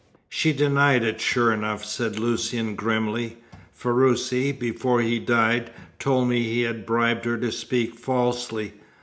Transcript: "She denied it, sure enough," said Lucian grimly. "Ferruci, before he died, told me he had bribed her to speak falsely.